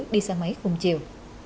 đi xa máy cùng chiều